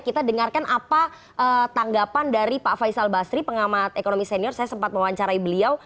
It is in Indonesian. kita dengarkan apa tanggapan dari pak faisal basri pengamat ekonomi senior saya sempat mewawancarai beliau